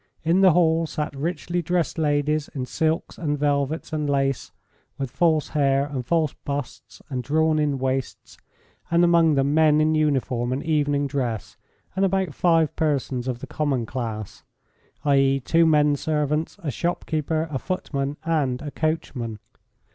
In the hall sat richly dressed ladies in silks and velvets and lace, with false hair and false busts and drawn in waists, and among them men in uniform and evening dress, and about five persons of the common class, i.e., two men servants, a shop keeper, a footman, and a coachman.